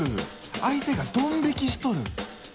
相手がドン引きしとる！